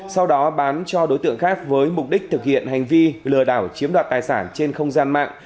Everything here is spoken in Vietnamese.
sau đó bán cho đối tượng khác với mục đích thực hiện hành vi lừa đảo chiếm đoạt tài sản trên không gian mạng